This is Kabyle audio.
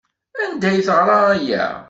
Anda ay teɣra aya?